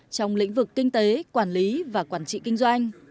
trong lĩnh vực kinh tế quản lý và quản trị kinh doanh